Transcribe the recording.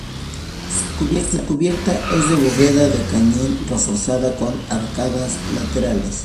Su cubierta es de bóveda de cañón reforzada con arcadas laterales.